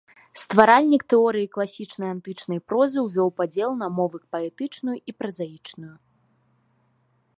Стваральнік тэорыі класічнай антычнай прозы, увёў падзел на мовы паэтычную і празаічную.